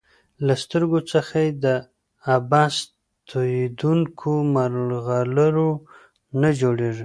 له سترګو څخه یې په عبث تویېدونکو مرغلرو نه جوړیږي.